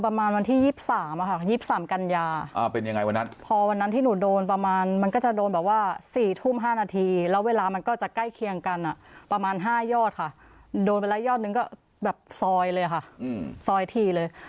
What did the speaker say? ประมาณ๕ยอดคะโดนหลายยอดนึงก็แบบซอยทีเลย